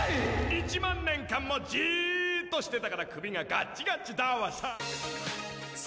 １万年間もじーっとしてたから首がガチガチだわさ。